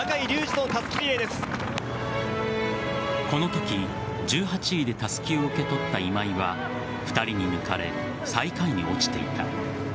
このとき１８位でたすきを受け取った今井は２人に抜かれ最下位に落ちていた。